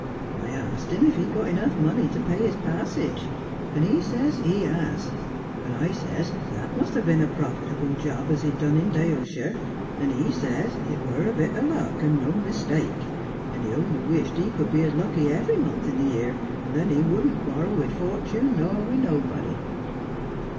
I arst him if he'd got enough money to pay his passage, and he ses he has ; and I ses that must ha' been a profitable job as he'd done in Daleshire ; and he ses it were a bit o' luck, and no mis take, and he only wished he could be as lucky every month in the year, and then he wouldn't quarrel with fortune nor with nobody.'